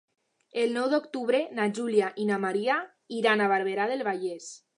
El nou d'octubre na Júlia i na Maria iran a Barberà del Vallès.